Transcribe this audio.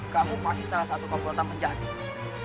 kamu pasti salah satu pembuatan penjahat itu